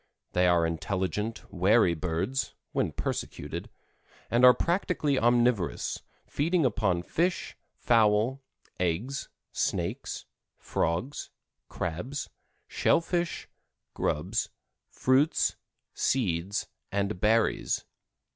They are intelligent, wary birds (when persecuted), and are practically omnivorous, feeding upon fish, fowl, eggs, snakes, frogs, crabs, shell fish, grubs, fruits, seeds and berries.